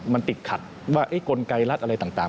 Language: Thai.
มันติดขัดว่ากลไกรรัฐอะไรต่าง